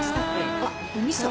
あっお味噌？